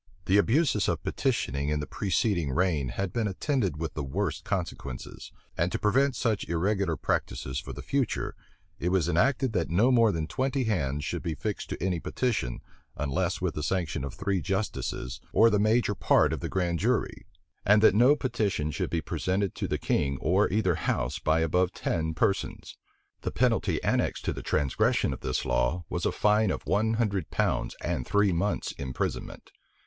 The abuses of petitioning in the preceding reign had been attended with the worst consequences; and to prevent such irregular practices for the future, it was enacted that no more than twenty hands should be fixed to any petition, unless with the sanction of three justices, or the major part of the grand jury, and that no petition should be presented to the king or either house by above ten persons. The penalty annexed to a transgression of this law was a fine of a hundred pounds and three months' imprisonment.